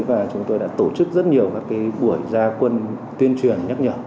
và chúng tôi đã tổ chức rất nhiều buổi gia quân tuyên truyền nhắc nhở